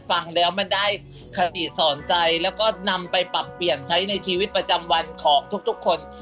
ฟังแล้วมันได้คติสอนใจแล้วก็นำไปปรับเปลี่ยนใช้ในชีวิตประจำวันของทุกคน